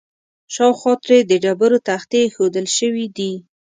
شاوخوا ترې د ډبرو تختې ایښودل شوي دي.